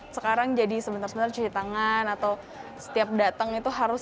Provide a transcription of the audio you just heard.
sekarang jadi sebentar sebentar cuci tangan atau setiap datang itu harus